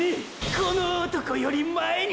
この男より前に！！